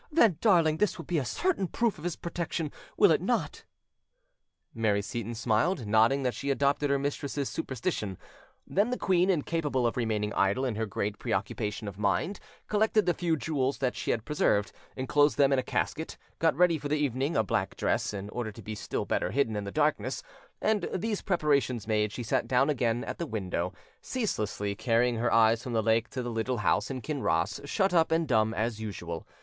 then, darling, this will be a certain proof of His protection, will it not?" Mary Seyton smiled, nodding that she adopted her mistress's superstition; then the queen, incapable of remaining idle in her great preoccupation of mind, collected the few jewels that she had preserved, enclosed them in a casket, got ready for the evening a black dress, in order to be still better hidden in the darkness: and, these preparations made, she sat down again at the window, ceaselessly carrying her eyes from the lake to the little house in Kinross, shut up and dumb as usual.